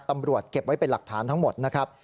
เก็บไว้เป็นหลักฐานทั้งหมดนะครับ